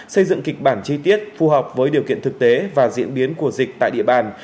xây dựng kịch bản chi tiết phù hợp với điều kiện thực tế và diễn biến của dịch tại địa bàn